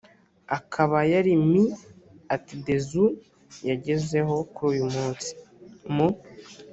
akaba yari Me at the zoo yagezeho kuri uyu munsi mu